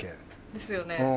ですよね。